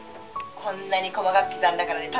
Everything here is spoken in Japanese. こんなに細かく刻んだからね